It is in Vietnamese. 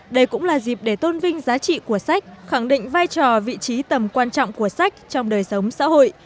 đây cũng là dịp để tôn vinh giá trị của sách khẳng định vai trò vị trí tầm quan trọng của sách trong đời sống xã hội